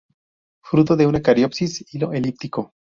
Fruto una cariopsis; hilo elíptico.